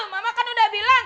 mama kan udah bilang